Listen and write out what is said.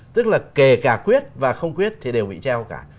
tức là kể cả quyết và không quyết thì đều bị treo cả